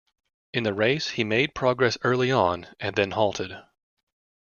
In the race he made progress early on, and then halted.